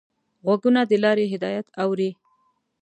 غوږونه د لارې هدایت اوري